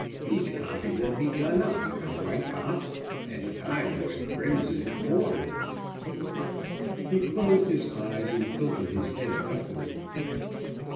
Each copy will be done up in a white box and tied with crimson cord." He closed his eyes and tilted his head upward.